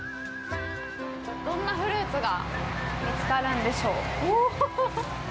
どんなフルーツが見つかるんでしょうおぉ